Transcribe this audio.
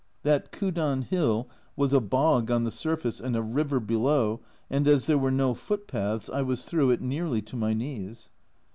That Kudan hill was a bog on the surface and a river below, and as there were no footpaths, I was through it nearly to my knees.